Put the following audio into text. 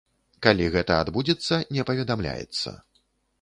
Калі гэта адбудзецца, не паведамляецца.